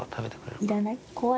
いらない？